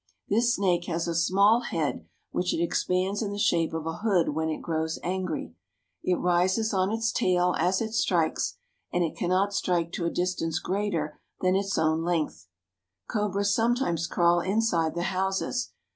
This snake has a small head which it expands in the shape of a hood when it grows angry. It rises on its tail as it strikes, and it cannot strike to a distance greater than its own Tiger. length. Cobras sometimes crawl inside the houses.